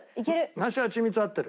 梨はちみつ合ってる。